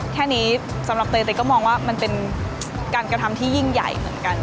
แค่นี้สำหรับเตยเตยก็มองว่ามันเป็นการกระทำที่ยิ่งใหญ่เหมือนกัน